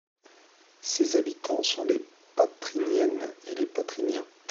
Ses habitants sont les Patriniennes et les Patriniens.